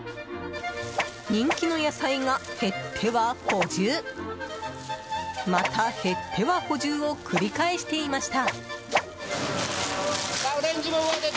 人気の野菜が減っては補充また減っては補充を繰り返していました。